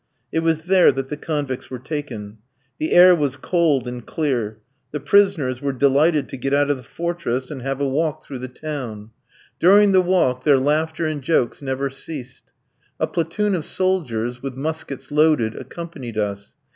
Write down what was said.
It was there that the convicts were taken. The air was cold and clear. The prisoners were delighted to get out of the fortress and have a walk through the town. During the walk their laughter and jokes never ceased. A platoon of soldiers, with muskets loaded, accompanied us.